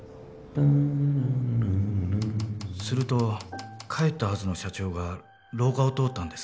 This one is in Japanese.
・すると帰ったはずの社長が廊下を通ったんです